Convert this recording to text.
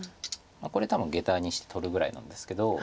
これ多分ゲタにして取るぐらいなんですけど。